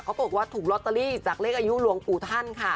บอกว่าถูกลอตเตอรี่จากเลขอายุหลวงปู่ท่านค่ะ